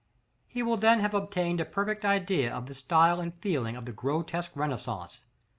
He will then have obtained a perfect idea of the style and feeling of the Grotesque Renaissance.